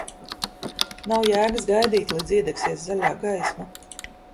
Nav jēgas gaidīt, līdz iedegsies zaļā gaisma.